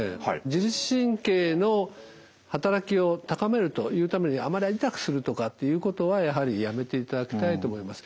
自律神経の働きを高めるというためにあまり痛くするとかっていうことはやはりやめていただきたいと思います。